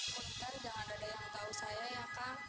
mungkin jangan ada yang tahu saya ya kang